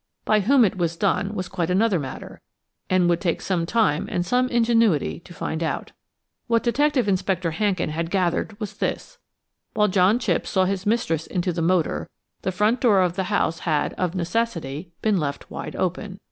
By whom it was done was quite another matter, and would take some time and some ingenuity to find out. What Detective Inspector Hankin had gathered was this: While John Chipps saw his mistress into the motor, the front door of the house had, of necessity, been left wide open.